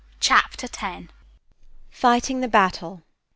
CHAPTER X. FIGHTING THE BATTLE.